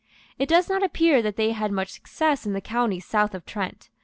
It does not appear that they had much success in the counties south of Trent.